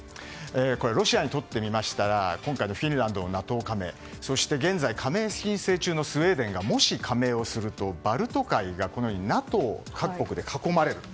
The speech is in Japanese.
ロシアにとってみましたら今回のフィンランドのＮＡＴＯ加盟そして現在加盟申請中のスウェーデンがもし加盟をするとバルト海がＮＡＴＯ各国で囲まれる。